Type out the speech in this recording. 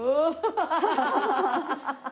ハハハハッ！